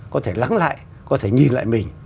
có thể lắng lại có thể nhìn lại mình